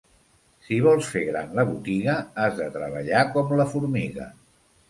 Si vols fer gran la botiga, has de treballar com la formiga.